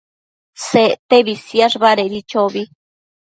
Sectebi siash badedi chobi